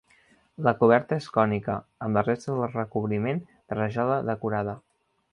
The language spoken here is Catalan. La coberta és cònica, amb les restes del recobriment de rajola decorada.